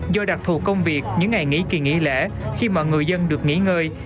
do đặc thù công việc những ngày nghỉ kỳ nghỉ lễ khi mà người dân được nghỉ ngơi